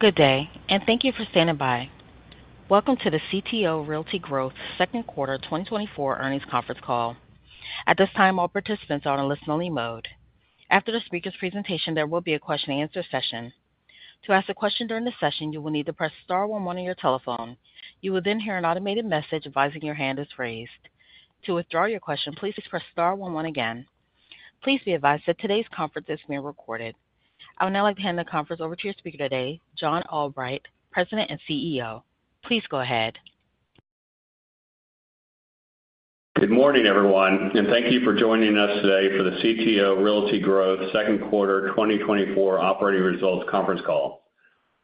Good day, and thank you for standing by. Welcome to the CTO Realty Growth Second Quarter 2024 Earnings Conference Call. At this time, all participants are on a listen-only mode. After the speaker's presentation, there will be a question-and-answer session. To ask a question during the session, you will need to press star one on your telephone. You will then hear an automated message advising your hand is raised. To withdraw your question, please press star one one again. Please be advised that today's conference is being recorded. I would now like to hand the conference over to your speaker today, John Albright, President and CEO. Please go ahead. Good morning, everyone, and thank you for joining us today for the CTO Realty Growth Second Quarter 2024 operating results conference call.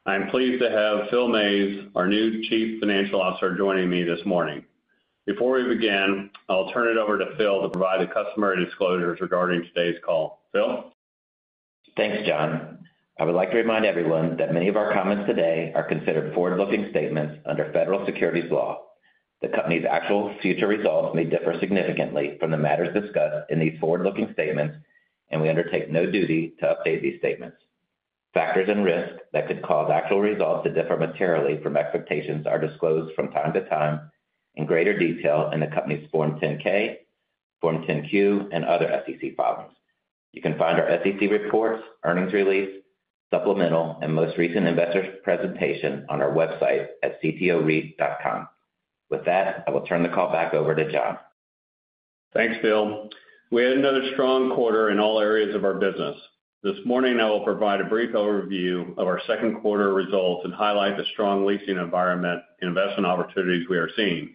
I am pleased to have Phil Mays, our new Chief Financial Officer, joining me this morning. Before we begin, I'll turn it over to Phil to provide the customary disclosures regarding today's call. Phil? Thanks, John. I would like to remind everyone that many of our comments today are considered forward-looking statements under federal securities law. The company's actual future results may differ significantly from the matters discussed in these forward-looking statements, and we undertake no duty to update these statements. Factors and risks that could cause actual results to differ materially from expectations are disclosed from time to time in greater detail in the company's Form 10-K, Form 10-Q, and other SEC filings. You can find our SEC reports, earnings release, supplemental, and most recent investor presentation on our website at ctoreit.com. With that, I will turn the call back over to John. Thanks, Phil. We had another strong quarter in all areas of our business. This morning, I will provide a brief overview of our second quarter results and highlight the strong leasing environment and investment opportunities we are seeing.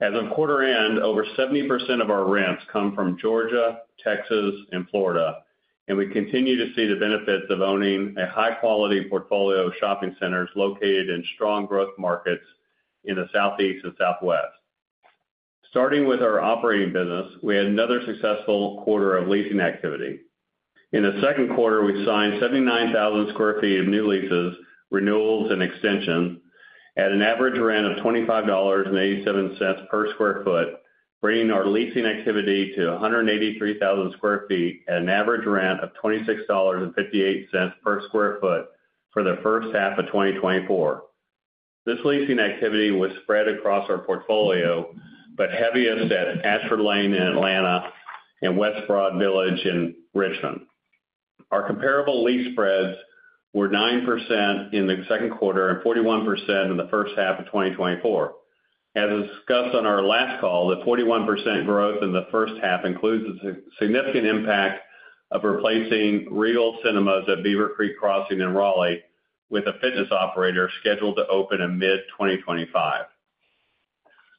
As of quarter end, over 70% of our rents come from Georgia, Texas, and Florida, and we continue to see the benefits of owning a high-quality portfolio of shopping centers located in strong growth markets in the Southeast and Southwest. Starting with our operating business, we had another successful quarter of leasing activity. In the second quarter, we signed 79,000 sq ft of new leases, renewals, and extensions at an average rent of $25.87 per sq ft, bringing our leasing activity to 183,000 sq ft at an average rent of $26.58 per sq ft for the first half of 2024. This leasing activity was spread across our portfolio, but heaviest at Ashford Lane in Atlanta and West Broad Village in Richmond. Our comparable lease spreads were 9% in the second quarter and 41% in the first half of 2024. As discussed on our last call, the 41% growth in the first half includes the significant impact of replacing Regal Cinemas at Beaver Creek Crossings in Raleigh with a fitness operator scheduled to open in mid-2025.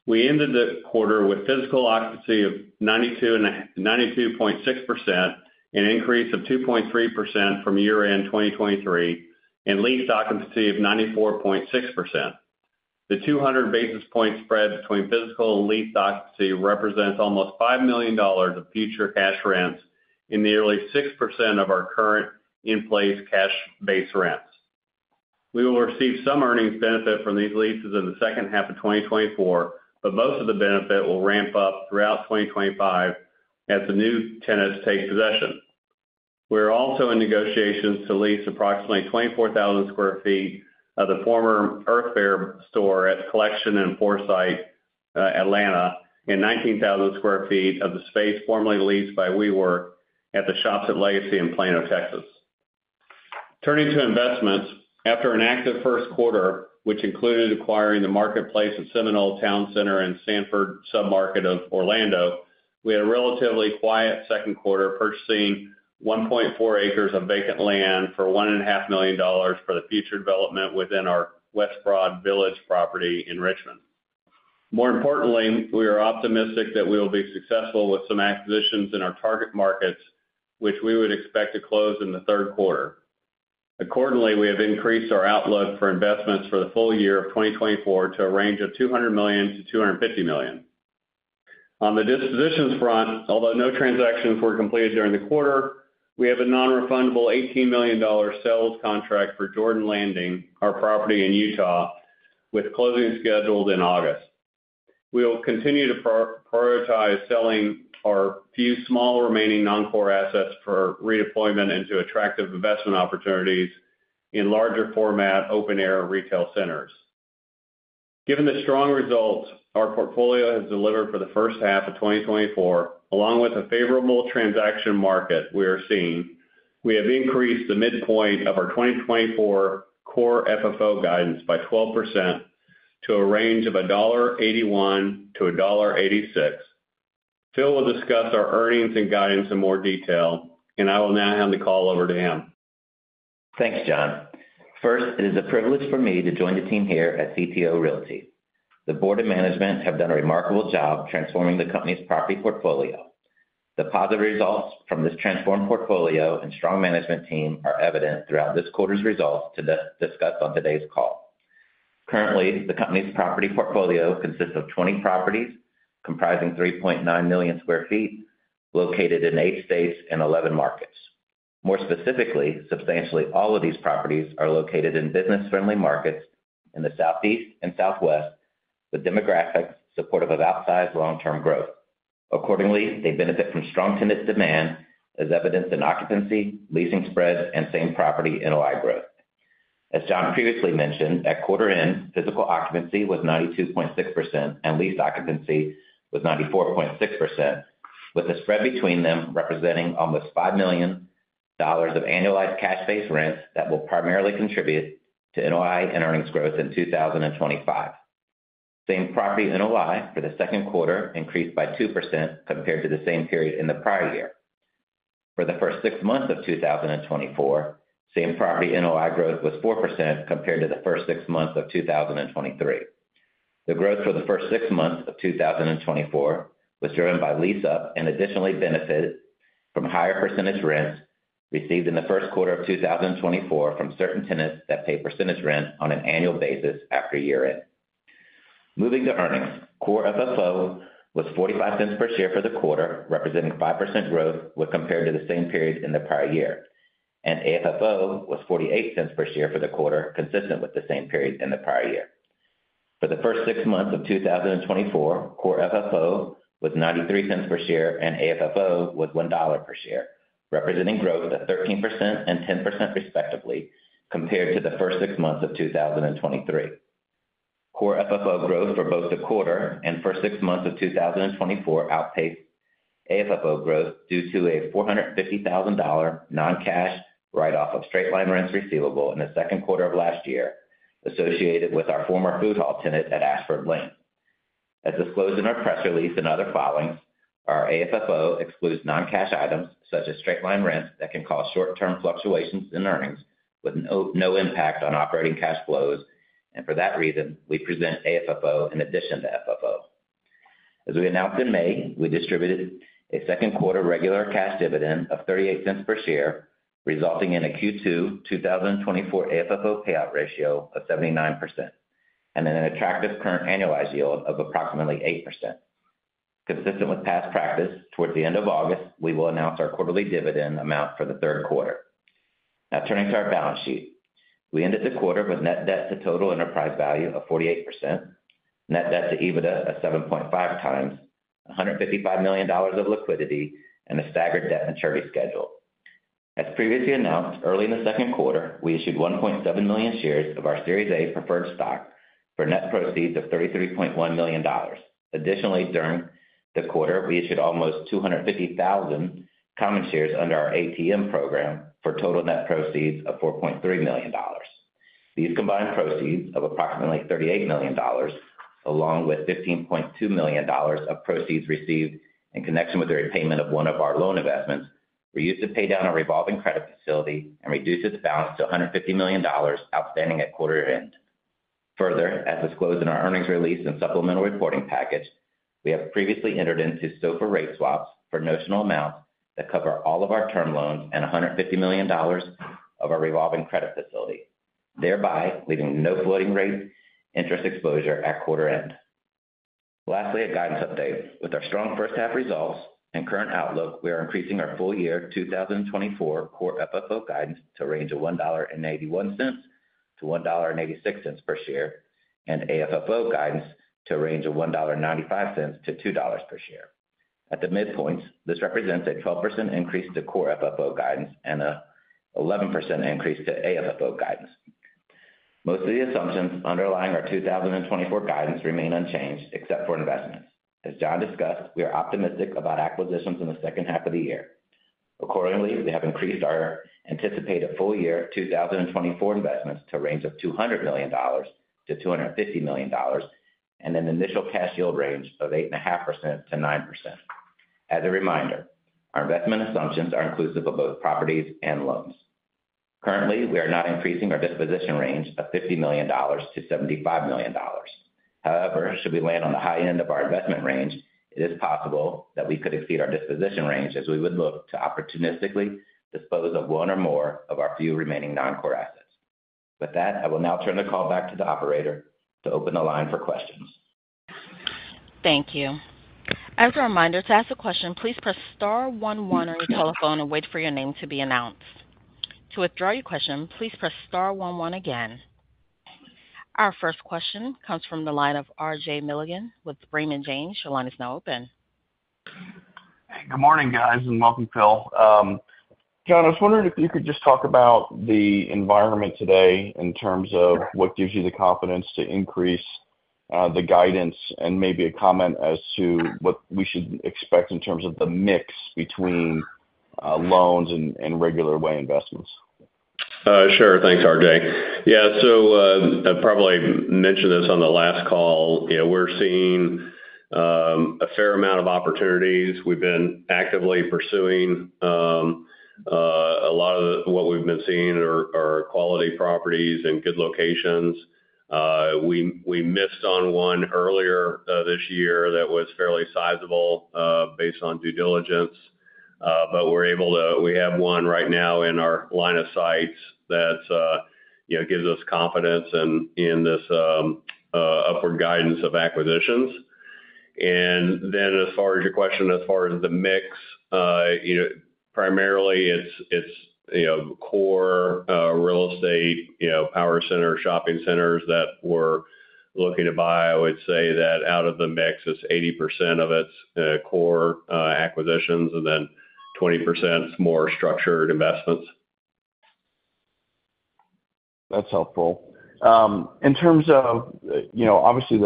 We ended the quarter with physical occupancy of 92.6%, an increase of 2.3% from year-end 2023, and leased occupancy of 94.6%. The 200 basis point spread between physical and leased occupancy represents almost $5 million of future cash rents in nearly 6% of our current in-place cash base rents. We will receive some earnings benefit from these leases in the second half of 2024, but most of the benefit will ramp up throughout 2025 as the new tenants take possession. We're also in negotiations to lease approximately 24,000 sq ft of the former Earth Fare store at The Collection at Forsyth, Atlanta, and 19,000 sq ft of the space formerly leased by WeWork at The Shops at Legacy in Plano, Texas. Turning to investments, after an active first quarter, which included acquiring The Marketplace at Seminole Towne Center in Sanford submarket of Orlando, we had a relatively quiet second quarter, purchasing 1.4 acres of vacant land for $1.5 million for the future development within our West Broad Village property in Richmond. More importantly, we are optimistic that we will be successful with some acquisitions in our target markets, which we would expect to close in the third quarter. Accordingly, we have increased our outlook for investments for the full year of 2024 to a range of $200 million-$250 million. On the dispositions front, although no transactions were completed during the quarter, we have a non-refundable $18 million sales contract for Jordan Landing, our property in Utah, with closing scheduled in August. We will continue to prioritize selling our few small remaining non-core assets for redeployment into attractive investment opportunities in larger format, open-air retail centers. Given the strong results our portfolio has delivered for the first half of 2024, along with a favorable transaction market we are seeing, we have increased the midpoint of our 2024 Core FFO guidance by 12% to a range of $1.81-$1.86. Phil will discuss our earnings and guidance in more detail, and I will now hand the call over to him. Thanks, John. First, it is a privilege for me to join the team here at CTO Realty. The board and management have done a remarkable job transforming the company's property portfolio. The positive results from this transformed portfolio and strong management team are evident throughout this quarter's results to discuss on today's call. Currently, the company's property portfolio consists of 20 properties comprising 3.9 million sq ft, located in 8 states and 11 markets. More specifically, substantially all of these properties are located in business-friendly markets in the Southeast and Southwest, with demographics supportive of outsized long-term growth.... Accordingly, they benefit from strong tenant demand, as evidenced in occupancy, leasing spreads, and same property NOI growth. As John previously mentioned, at quarter end, physical occupancy was 92.6%, and lease occupancy was 94.6%, with the spread between them representing almost $5 million of annualized cash-based rents that will primarily contribute to NOI and earnings growth in 2025. Same property NOI for the second quarter increased by 2% compared to the same period in the prior year. For the first six months of 2024, same property NOI growth was 4% compared to the first six months of 2023. The growth for the first six months of 2024 was driven by lease-up and additionally benefited from higher percentage rents received in the first quarter of 2024 from certain tenants that pay percentage rent on an annual basis after year-end. Moving to earnings. Core FFO was $0.45 per share for the quarter, representing 5% growth when compared to the same period in the prior year, and AFFO was $0.48 per share for the quarter, consistent with the same period in the prior year. For the first six months of 2024, core FFO was $0.93 per share, and AFFO was $1 per share, representing growth of 13% and 10% respectively compared to the first six months of 2023. Core FFO growth for both the quarter and first six months of 2024 outpaced AFFO growth due to a $450,000 non-cash write-off of straight line rents receivable in the second quarter of last year, associated with our former food hall tenant at Ashford Lane. As disclosed in our press release and other filings, our AFFO excludes non-cash items such as straight line rent that can cause short-term fluctuations in earnings with no impact on operating cash flows. For that reason, we present AFFO in addition to FFO. As we announced in May, we distributed a second quarter regular cash dividend of $0.38 per share, resulting in a Q2 2024 AFFO payout ratio of 79%, and an attractive current annualized yield of approximately 8%. Consistent with past practice, towards the end of August, we will announce our quarterly dividend amount for the third quarter. Now turning to our balance sheet. We ended the quarter with net debt to total enterprise value of 48%, net debt to EBITDA of 7.5 times, $155 million of liquidity, and a staggered debt maturity schedule. As previously announced, early in the second quarter, we issued 1.7 million shares of our Series A preferred stock for net proceeds of $33.1 million. Additionally, during the quarter, we issued almost 250,000 common shares under our ATM program for total net proceeds of $4.3 million. These combined proceeds of approximately $38 million, along with $15.2 million of proceeds received in connection with the repayment of one of our loan investments, were used to pay down a revolving credit facility and reduce its balance to $150 million outstanding at quarter end. Further, as disclosed in our earnings release and supplemental reporting package, we have previously entered into SOFR rate swaps for notional amounts that cover all of our term loans and $150 million of our revolving credit facility, thereby leaving no floating rate interest exposure at quarter end. Lastly, a guidance update. With our strong first half results and current outlook, we are increasing our full year 2024 core FFO guidance to a range of $1.81-$1.86 per share, and AFFO guidance to a range of $1.95-$2 per share. At the midpoints, this represents a 12% increase to core FFO guidance and an 11% increase to AFFO guidance. Most of the assumptions underlying our 2024 guidance remain unchanged, except for investments. As John discussed, we are optimistic about acquisitions in the second half of the year. Accordingly, we have increased our anticipated full year 2024 investments to a range of $200 million-$250 million, and an initial cash yield range of 8.5%-9%. As a reminder, our investment assumptions are inclusive of both properties and loans. Currently, we are not increasing our disposition range of $50 million-$75 million. However, should we land on the high end of our investment range, it is possible that we could exceed our disposition range as we would look to opportunistically dispose of one or more of our few remaining non-core assets. With that, I will now turn the call back to the operator to open the line for questions. Thank you. As a reminder, to ask a question, please press star one one on your telephone and wait for your name to be announced. To withdraw your question, please press star one one again. Our first question comes from the line of R.J. Milligan with Raymond James. Your line is now open. Good morning, guys, and welcome, Phil. John, I was wondering if you could just talk about the environment today in terms of what gives you the confidence to increase the guidance and maybe a comment as to what we should expect in terms of the mix between loans and regular way investments? Sure. Thanks, R.J. Yeah, so, I probably mentioned this on the last call. You know, we're seeing a fair amount of opportunities. We've been actively pursuing a lot of what we've been seeing are quality properties and good locations. We missed on one earlier this year that was fairly sizable based on due diligence, but we're able to. We have one right now in our line of sights that you know gives us confidence in this upward guidance of acquisitions. And then as far as your question, as far as the mix, you know- ...primarily it's, you know, core real estate, you know, power center shopping centers that we're looking to buy. I would say that out of the mix, it's 80% of it's core acquisitions, and then 20% is more structured investments. That's helpful. In terms of, you know, obviously,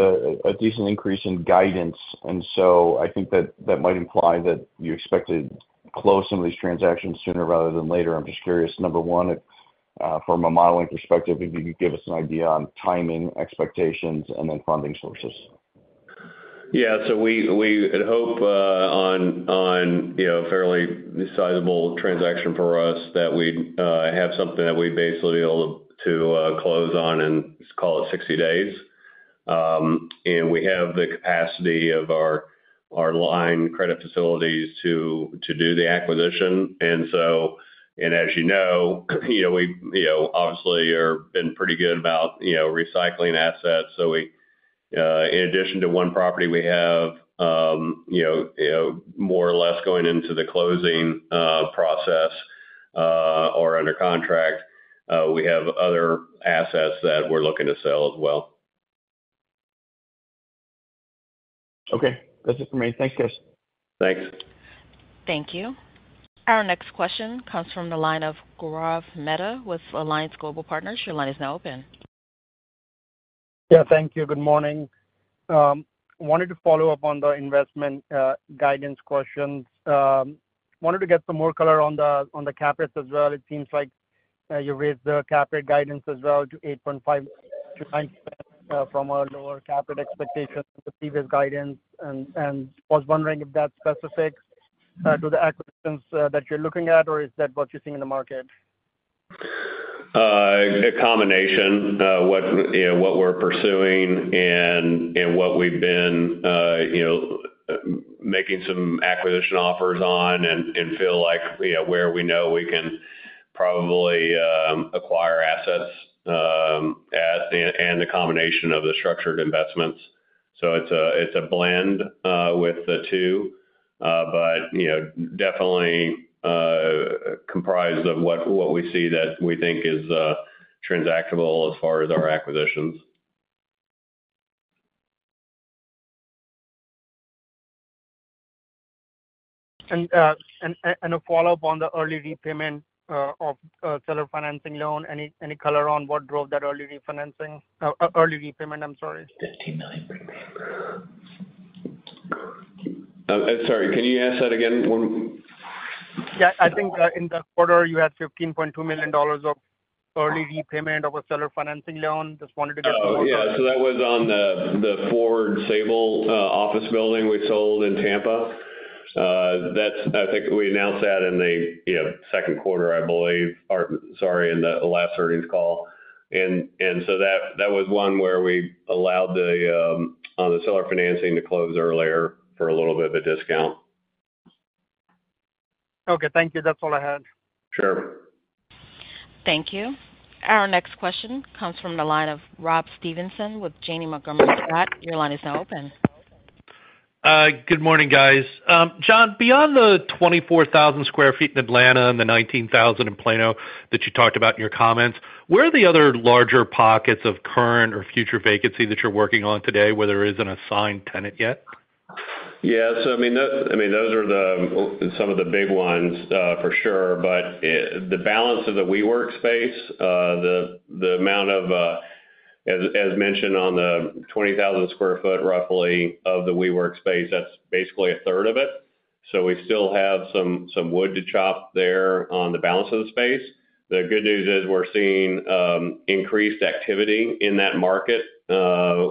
a decent increase in guidance, and so I think that that might imply that you expect to close some of these transactions sooner rather than later. I'm just curious, number one, from a modeling perspective, if you could give us an idea on timing, expectations, and then funding sources. Yeah, so I'd hope, you know, on a fairly sizable transaction for us, that we'd have something that we'd basically be able to close on in, let's call it 60 days. And we have the capacity of our line of credit facilities to do the acquisition. And as you know, you know, we, you know, obviously have been pretty good about, you know, recycling assets. So we, in addition to one property we have, you know, more or less going into the closing process, or under contract, we have other assets that we're looking to sell as well. Okay. That's it for me. Thanks, guys. Thanks. Thank you. Our next question comes from the line of Gaurav Mehta with Alliance Global Partners. Your line is now open. Yeah, thank you. Good morning. Wanted to follow up on the investment guidance questions. Wanted to get some more color on the cap rates as well. It seems like you raised the cap rate guidance as well to 8.5 from a lower cap rate expectation to previous guidance, and was wondering if that's specific to the acquisitions that you're looking at, or is that what you're seeing in the market? A combination of what, you know, what we're pursuing and, and what we've been, you know, making some acquisition offers on and, and feel like, you know, where we know we can probably acquire assets, as and the combination of the structured investments. So it's a, it's a blend with the two, but, you know, definitely comprised of what, what we see that we think is transactable as far as our acquisitions. A follow-up on the early repayment of seller financing loan. Any color on what drove that early refinancing? Early repayment, I'm sorry. Sorry, can you ask that again one- Yeah, I think, in the quarter, you had $15.2 million of early repayment of a seller financing loan. Just wanted to get- Oh, yeah. So that was on the Sabal Pavilion office building we sold in Tampa. That's. I think we announced that in the, you know, second quarter, I believe. Or, sorry, in the last earnings call. And so that was one where we allowed the seller financing to close earlier for a little bit of a discount. Okay. Thank you. That's all I had. Sure. Thank you. Our next question comes from the line of Rob Stevenson with Janney Montgomery Scott. Your line is now open. Good morning, guys. John, beyond the 24,000 sq ft in Atlanta and the 19,000 in Plano that you talked about in your comments, where are the other larger pockets of current or future vacancy that you're working on today, where there isn't a signed tenant yet? Yeah. So, I mean, those are some of the big ones, for sure. But, the balance of the WeWork space, the amount of, as mentioned, roughly 20,000 sq ft of the WeWork space, that's basically a third of it. So we still have some wood to chop there on the balance of the space. The good news is we're seeing increased activity in that market,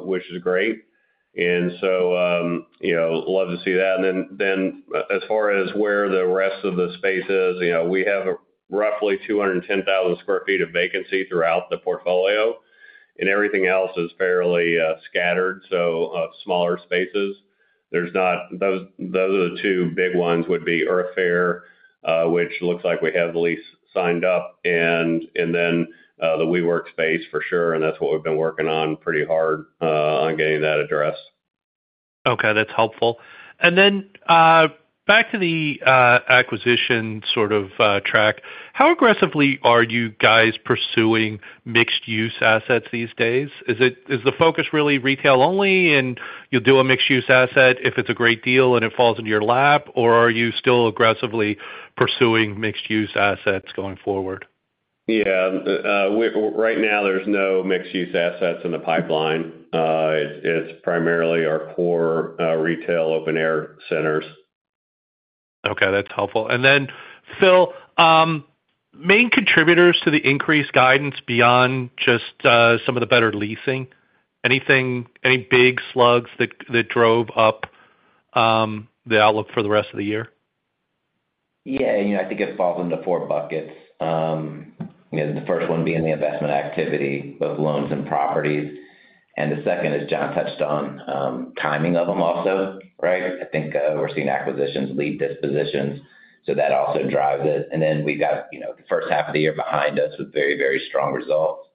which is great. And so, you know, love to see that. And then, as far as where the rest of the space is, you know, we have roughly 210,000 sq ft of vacancy throughout the portfolio, and everything else is fairly scattered, so smaller spaces. There's not those, those are the two big ones, would be Earth Fare, which looks like we have the lease signed up, and, and then the WeWork space for sure, and that's what we've been working on pretty hard on getting that addressed. Okay, that's helpful. And then, back to the acquisition sort of track. How aggressively are you guys pursuing mixed-use assets these days? Is the focus really retail only, and you'll do a mixed-use asset if it's a great deal and it falls into your lap, or are you still aggressively pursuing mixed-use assets going forward? Yeah. Right now, there's no mixed-use assets in the pipeline. It's, it's primarily our core, retail, open-air centers. Okay, that's helpful. And then, Phil, main contributors to the increased guidance beyond just some of the better leasing, anything, any big slugs that drove up the outlook for the rest of the year? Yeah, you know, I think it falls into four buckets. You know, the first one being the investment activity, both loans and properties, and the second, as John touched on, timing of them also, right? I think, we're seeing acquisitions lead dispositions, so that also drives it. And then we've got, you know, the first half of the year behind us with very, very strong results.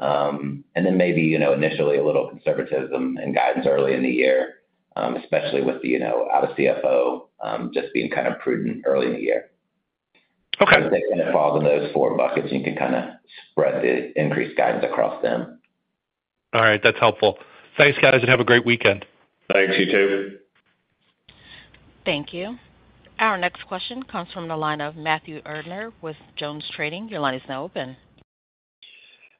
And then maybe, you know, initially a little conservatism and guidance early in the year, especially with the, you know, our CFO, just being kind of prudent early in the year. Okay. They kind of fall in those four buckets, and you can kind of spread the increased guidance across them. All right, that's helpful. Thanks, guys, and have a great weekend. Thanks. You too. Thank you. Our next question comes from the line of Matthew Erdner with JonesTrading. Your line is now open.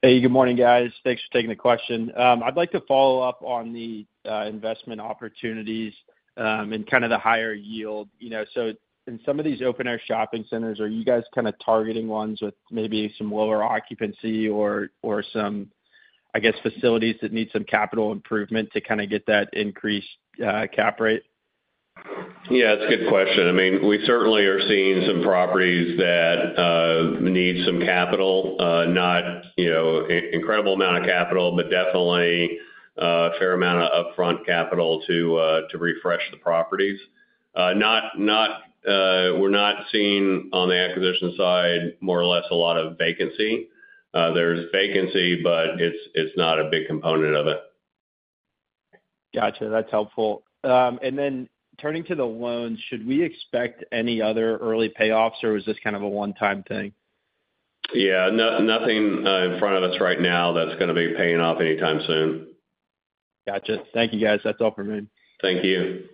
Hey, good morning, guys. Thanks for taking the question. I'd like to follow up on the investment opportunities, and kind of the higher yield. You know, so in some of these open-air shopping centers, are you guys kind of targeting ones with maybe some lower occupancy or some, I guess, facilities that need some capital improvement to kind of get that increased cap rate? Yeah, that's a good question. I mean, we certainly are seeing some properties that need some capital. Not, you know, incredible amount of capital, but definitely a fair amount of upfront capital to refresh the properties. We're not seeing on the acquisition side, more or less a lot of vacancy. There's vacancy, but it's not a big component of it. Gotcha, that's helpful. And then turning to the loans, should we expect any other early payoffs, or was this kind of a one-time thing? Yeah, nothing in front of us right now that's going to be paying off anytime soon. Gotcha. Thank you, guys. That's all for me. Thank you.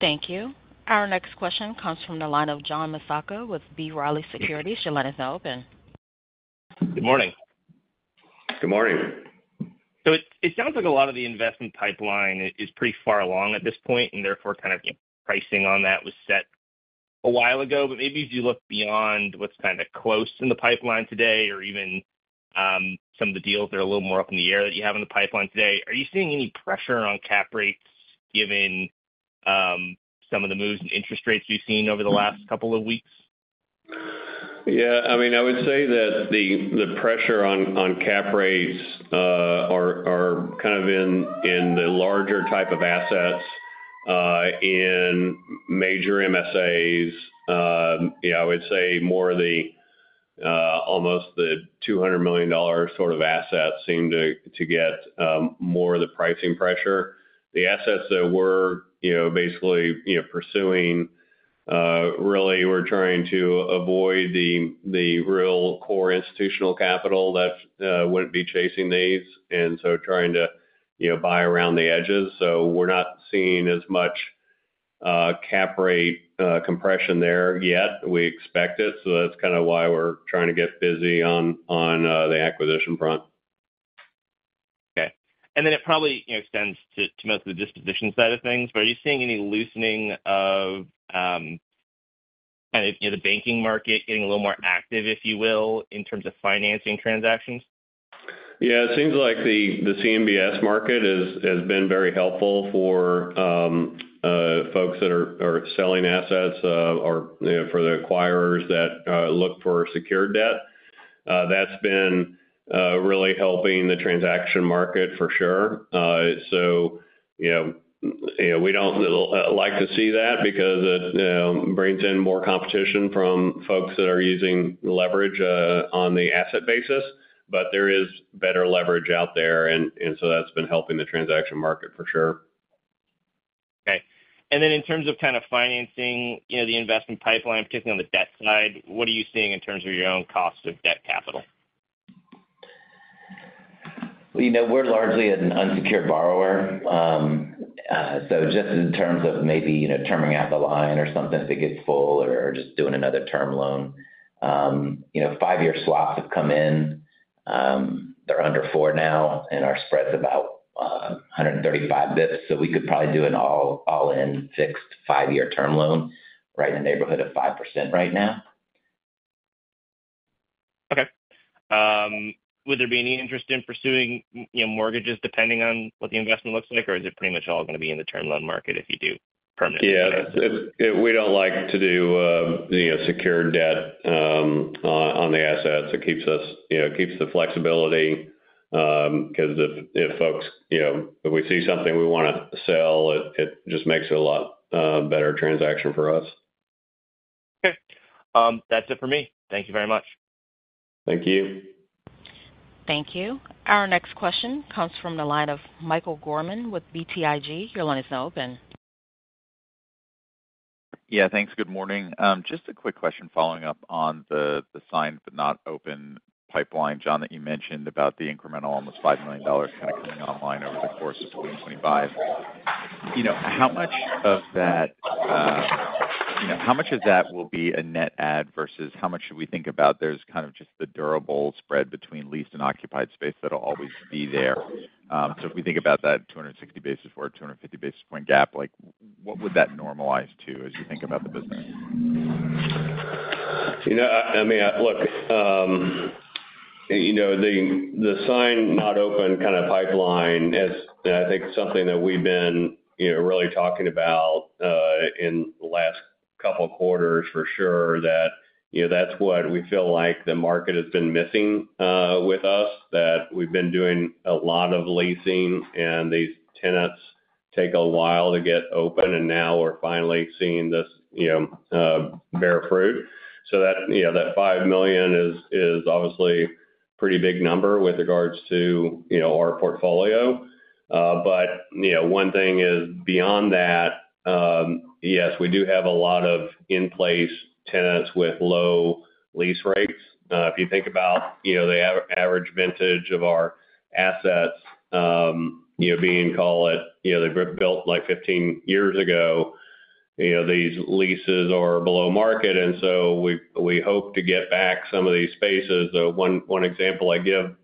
Thank you. Our next question comes from the line of John Massocca with B. Riley Securities. Your line is now open. Good morning. Good morning. So it sounds like a lot of the investment pipeline is pretty far along at this point, and therefore, kind of, pricing on that was set a while ago. But maybe as you look beyond what's kind of close in the pipeline today, or even, some of the deals that are a little more up in the air that you have in the pipeline today, are you seeing any pressure on cap rates, given, some of the moves in interest rates we've seen over the last couple of weeks? Yeah, I mean, I would say that the pressure on cap rates are kind of in the larger type of assets in major MSAs. You know, I would say more of the almost the $200 million sort of assets seem to get more of the pricing pressure. The assets that we're, you know, basically pursuing really we're trying to avoid the real core institutional capital that wouldn't be chasing these, and so trying to, you know, buy around the edges. So we're not seeing as much cap rate compression there yet. We expect it, so that's kind of why we're trying to get busy on the acquisition front. Okay. And then it probably, you know, extends to, to most of the disposition side of things, but are you seeing any loosening of kind of the banking market getting a little more active, if you will, in terms of financing transactions? Yeah, it seems like the CMBS market has been very helpful for folks that are selling assets, or, you know, for the acquirers that look for secured debt. That's been really helping the transaction market for sure. So, you know, we don't like to see that because it brings in more competition from folks that are using leverage on the asset basis. But there is better leverage out there, and so that's been helping the transaction market for sure. Okay. And then in terms of kind of financing, you know, the investment pipeline, particularly on the debt side, what are you seeing in terms of your own cost of debt capital? Well, you know, we're largely an unsecured borrower. So just in terms of maybe, you know, terming out the line or something, if it gets full or just doing another term loan, you know, five-year swaps have come in. They're under four now, and our spread's about 135 basis points, so we could probably do an all-in fixed five-year term loan, right in the neighborhood of 5% right now. Okay. Would there be any interest in pursuing, you know, mortgages, depending on what the investment looks like? Or is it pretty much all going to be in the term loan market if you do permanently? Yeah, we don't like to do, you know, secured debt, on, on the assets. It keeps us, you know, keeps the flexibility, 'cause if, if folks, you know, if we see something we wanna sell, it, it just makes it a lot, better transaction for us. Okay. That's it for me. Thank you very much. Thank you. Thank you. Our next question comes from the line of Michael Gorman with BTIG. Your line is now open. Yeah, thanks. Good morning. Just a quick question following up on the signed but not open pipeline, John, that you mentioned about the incremental, almost $5 million kind of coming online over the course of 2025. You know, how much of that, you know, how much of that will be a net add, versus how much should we think about there's kind of just the durable spread between leased and occupied space that'll always be there? So if we think about that 260 basis or 250 basis point gap, like, what would that normalize to as you think about the business? You know, I mean, look, you know, the signed not open kind of pipeline is, I think, something that we've been, you know, really talking about in the last couple of quarters for sure, that, you know, that's what we feel like the market has been missing with us. That we've been doing a lot of leasing, and these tenants take a while to get open, and now we're finally seeing this, you know, bear fruit. So that, you know, that $5 million is obviously pretty big number with regards to, you know, our portfolio. But, you know, one thing is, beyond that, yes, we do have a lot of in-place tenants with low lease rates. If you think about, you know, the average vintage of our assets, you know, being, call it, you know, they were built like 15 years ago, you know, these leases are below market, and so we hope to get back some of these spaces. One example I give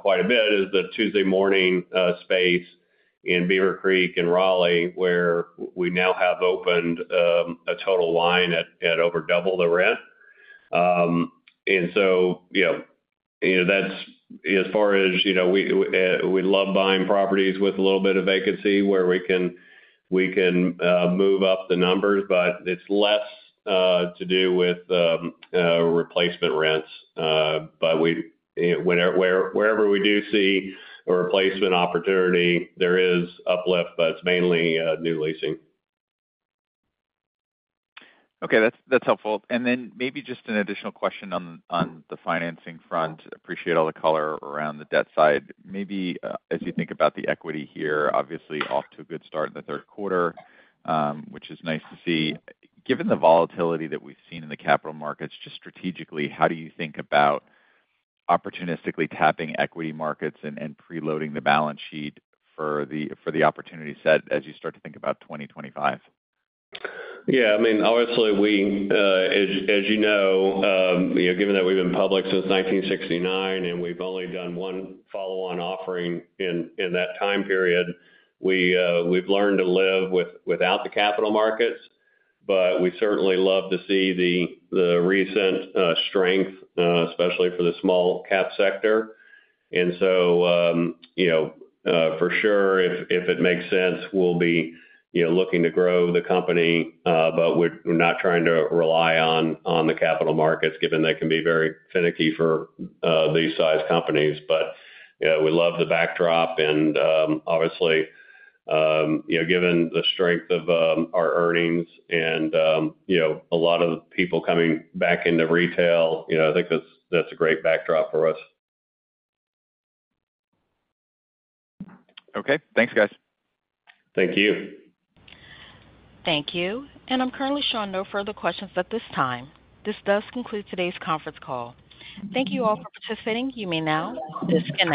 quite a bit is the Tuesday Morning space in Beaver Creek in Raleigh, where we now have opened a Total Wine at over double the rent. And so, you know, that's as far as, you know, we... We love buying properties with a little bit of vacancy, where we can move up the numbers, but it's less to do with replacement rents. But we, wherever we do see a replacement opportunity, there is uplift, but it's mainly new leasing. Okay, that's, that's helpful. And then maybe just an additional question on, on the financing front. Appreciate all the color around the debt side. Maybe, as you think about the equity here, obviously off to a good start in the third quarter, which is nice to see. Given the volatility that we've seen in the capital markets, just strategically, how do you think about opportunistically tapping equity markets and, and preloading the balance sheet for the, for the opportunity set as you start to think about 2025? Yeah, I mean, obviously, we, as, as you know, you know, given that we've been public since 1969, and we've only done one follow-on offering in, in that time period, we, we've learned to live without the capital markets. But we certainly love to see the, the recent strength, especially for the small cap sector. And so, you know, for sure, if, if it makes sense, we'll be, you know, looking to grow the company, but we're, we're not trying to rely on, on the capital markets, given they can be very finicky for, these size companies. You know, we love the backdrop and, obviously, you know, given the strength of our earnings and, you know, a lot of the people coming back into retail, you know, I think that's a great backdrop for us. Okay. Thanks, guys. Thank you. Thank you, and I'm currently showing no further questions at this time. This does conclude today's conference call. Thank you all for participating. You may now disconnect.